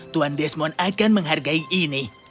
tuan desmond akan menghargai ini